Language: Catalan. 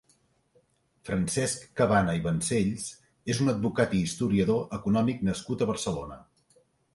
Francesc Cabana i Vancells és un advocat i historiador econòmic nascut a Barcelona.